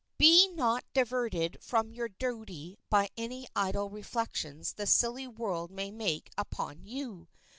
Be not diverted from your duty by any idle reflections the silly world may make upon you.